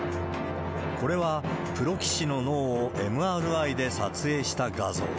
これは、プロ棋士の脳をＭＲＩで撮影した画像。